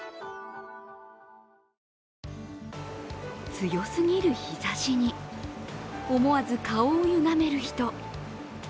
強すぎる日ざしに思わず顔をゆがめる人。